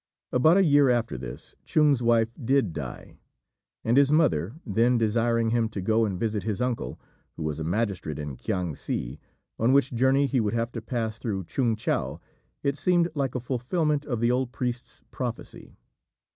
About a year after this, Chung's wife did die; and his mother then desiring him to go and visit his uncle, who was a magistrate in Kiangsi, on which journey he would have to pass through Chung chou, it seemed like a fulfilment of the old priest's prophecy.